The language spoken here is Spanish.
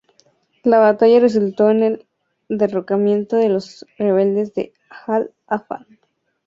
La batalla resultó en el derrocamiento de los rebeldes de Al-Haffah.